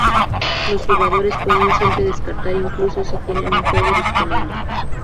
Los jugadores pueden siempre descartar, incluso si tienen un juego disponible.